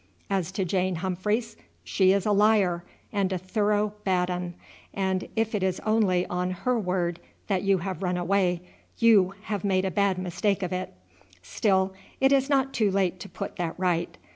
As to Jane Humphreys, she is a liar and a thorough bad un, and if it is only on her word that you have run away you have made a bad mistake of it. Still it is not too late to put that right.